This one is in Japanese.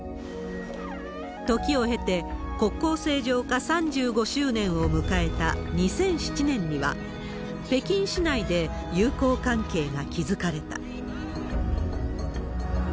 時を経て国交正常化３５周年を迎えた２００７年には、北京市内で友好関係が築かれた。